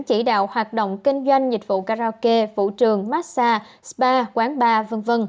chỉ đạo hoạt động kinh doanh dịch vụ karaoke vũ trường massage spa quán bar v v